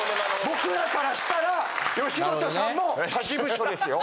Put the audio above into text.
僕らからしたら吉本さんも他事務所ですよ。